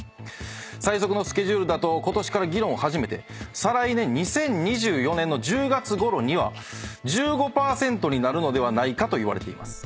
最速のスケジュールだとことしから議論を始めて再来年２０２４年の１０月ごろには１５％になるのではないかといわれています。